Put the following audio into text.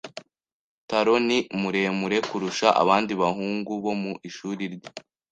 Taro ni muremure kurusha abandi bahungu bo mu ishuri rye.